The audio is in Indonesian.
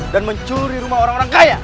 dan mencuri rumah orang orang kaya